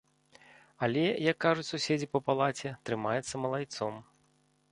Але, як кажуць суседзі па палаце, трымаецца малайцом.